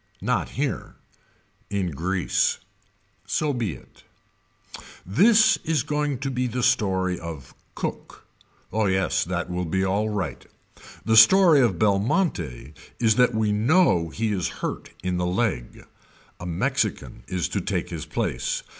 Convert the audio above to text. Not here. In Greece. So be it. This is going to be the story of Cook. Oh yes that will be alright. The story of Belmonte is that we know he is hurt in the leg. A Mexican is to take his place.